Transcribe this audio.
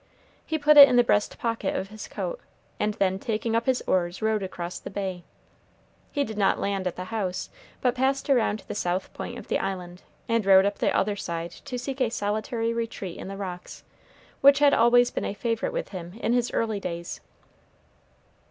He put it in the breast pocket of his coat, and then, taking up his oars, rowed across the bay. He did not land at the house, but passed around the south point of the Island, and rowed up the other side to seek a solitary retreat in the rocks, which had always been a favorite with him in his early days.